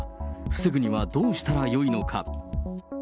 防ぐにはどうしたらよいのか。